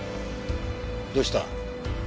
どうした？